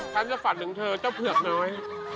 ฉันจะฝันถึงเธอเจ้าเผือกน้อย